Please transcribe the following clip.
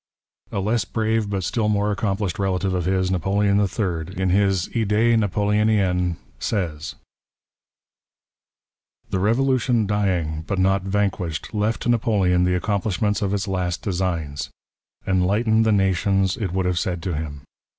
A less brave but still more accomplished relative of his. Napoleon III., in his Fdees Nai)oleoniennes, says :—" The Revolution dying, but not vanquished, left to " Napoleon the accomplishments of its last designs. Enlighten *' tbp natioT»« it would have said to him.